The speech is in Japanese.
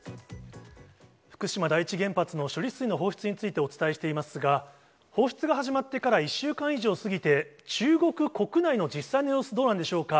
福島第一原発の処理水の放出についてお伝えしていますが、放出が始まってから１週間以上過ぎて、中国国内の実際の様子、どうなんでしょうか。